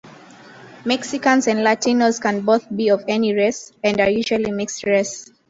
Mexicans and Latinos can both be of any race, and are usually mixed race.